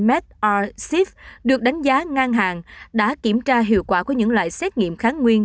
medr civ được đánh giá ngang hàng đã kiểm tra hiệu quả của những loại xét nghiệm kháng nguyên